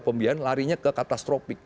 pembiayaan larinya ke katastrofik